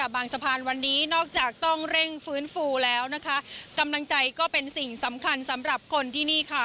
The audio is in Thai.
บางสะพานวันนี้นอกจากต้องเร่งฟื้นฟูแล้วนะคะกำลังใจก็เป็นสิ่งสำคัญสำหรับคนที่นี่ค่ะ